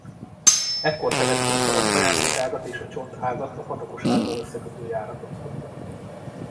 Ekkor fedezték fel az Ajándék-ágat és a Csont-ágat a Patakos-ággal összekötő járatot.